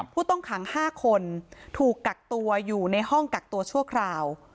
ผู้ต้องขัง๕คนถูกกักตัวอยู่ในห้องกักตัวชั่วคราว